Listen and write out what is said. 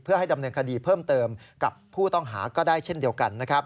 เพื่อให้ดำเนินคดีเพิ่มเติมกับผู้ต้องหาก็ได้เช่นเดียวกันนะครับ